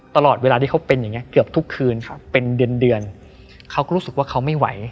ตลอดเวลาที่เขาเป็นอย่างนี้เกือบทุกคืนเป็นเดือนเดือนเขาก็รู้สึกว่าเขาไม่ไหว